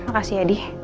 makasih ya di